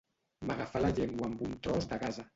M'agafà la llengua amb un tros de gasa